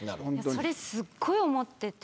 それはすごい思っていて。